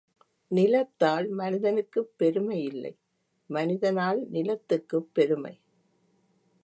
நிலத்தால் மனிதனுக்குப் பெருமை இல்லை மனிதனால் நிலத்துக்குப் பெருமை.